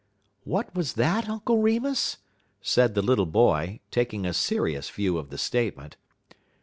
"What was that, Uncle Remus?" said the little boy, taking a serious view of the statement.